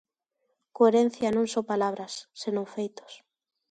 Coherencia e non só palabras, senón feitos.